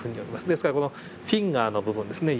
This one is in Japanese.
ですからこのフィンガーの部分ですね